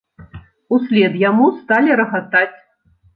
Услед яму сталі рагатаць.